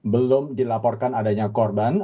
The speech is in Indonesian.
belum dilaporkan adanya korban